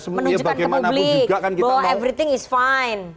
menunjukkan ke publik bahwa everything is fine